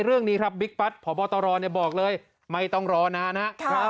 เรื่องนี้ครับบิ๊กปัดพบตรบอกเลยไม่ต้องรอนานนะครับ